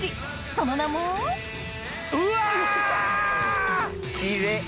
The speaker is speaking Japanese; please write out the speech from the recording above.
その名もうわ！